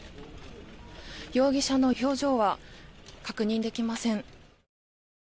容疑者の表情は確認できません。